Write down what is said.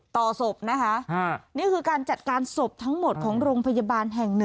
ศพนะคะนี่คือการจัดการศพทั้งหมดของโรงพยาบาลแห่ง๑